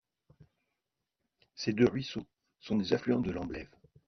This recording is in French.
Ces deux ruisseaux sont des affluents de l'Amblève.